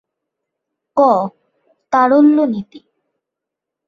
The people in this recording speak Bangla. ক. তারল্য নীতি